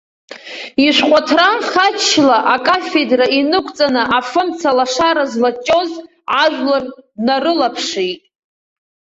Ишәҟәыҭра хаччла акафедра инықәҵаны афымца лашара злаҷҷоз ажәлар днарылаԥшит.